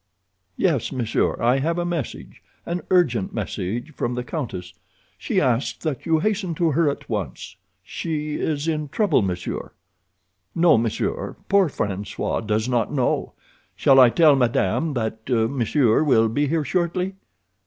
"Yes, monsieur. I have a message, an urgent message from the countess. She asks that you hasten to her at once—she is in trouble, monsieur. "No, monsieur, poor François does not know. Shall I tell madame that monsieur will be here shortly?